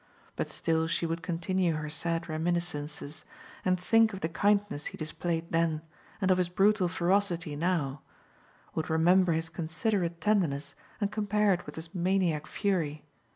But still she would continue her sad reminiscences, and think of the kindness he displayed then, and of his brutal ferocity now would remember his considerate tenderness and compare it with his maniac fury.